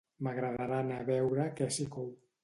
M'agradarà anar a veure què s'hi cou